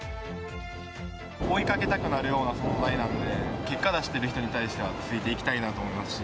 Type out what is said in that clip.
追いかけたくなるような存在なんで、結果出してる人に対してはついていきたいなと思いますし。